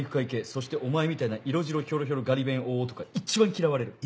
そしてお前みたいな色白ヒョロヒョロガリ勉大男が一番嫌われる。